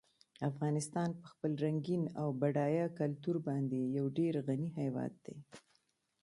افغانستان په خپل رنګین او بډایه کلتور باندې یو ډېر غني هېواد دی.